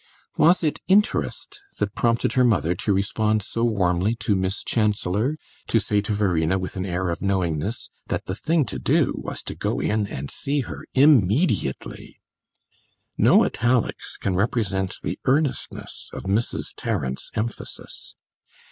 Was it interest that prompted her mother to respond so warmly to Miss Chancellor, to say to Verena, with an air of knowingness, that the thing to do was to go in and see her immediately? No italics can represent the earnestness of Mrs. Tarrant's emphasis.